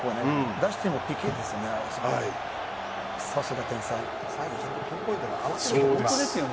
出してもＰＫですよね。